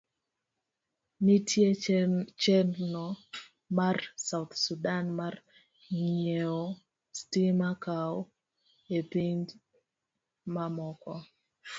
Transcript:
Nitie chenro mar South Sudan mar ng'iewo stima koa e pinje mamoko.